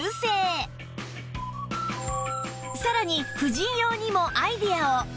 さらに婦人用にもアイデアを